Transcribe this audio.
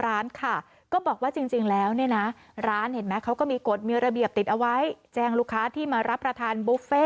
อร่อยจนอยู่ไม่ได้ต้องกิน